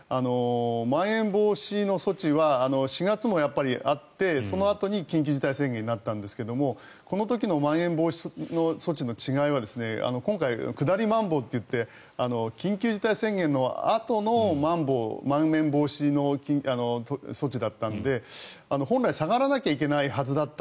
まん延防止措置は４月もあってそのあとに緊急事態宣言になったんですけれどもこの時のまん延防止の措置の違いは今回、下りまん防と言って緊急事態宣言のあとのまん延防止の措置だったので本来下がらなきゃいけないはずだった。